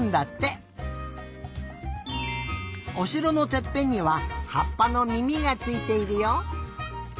おしろのてっぺんにははっぱのみみがついているよ。